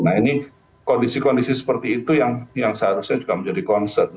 jadi kondisi kondisi seperti itu yang seharusnya juga menjadi konsep